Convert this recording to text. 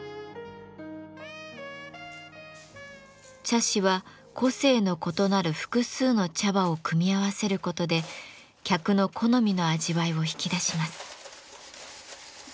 茶師は個性の異なる複数の茶葉を組み合わせることで客の好みの味わいを引き出します。